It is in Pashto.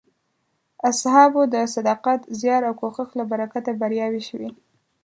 اصحابو د صداقت، زیار او کوښښ له برکته بریاوې شوې.